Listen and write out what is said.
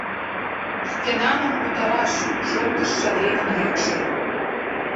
Шкенаным утараш! — шоктыш Шадринын йӱкшӧ.